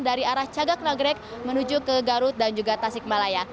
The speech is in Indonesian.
dari arah cagak nagrek menuju ke garut dan juga tasik malaya